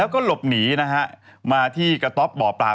ก็หลบหนีมาที่กะท๊อปป่อบปลา